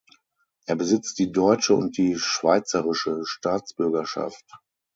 Er besitzt die deutsche und die schweizerische Staatsbürgerschaft.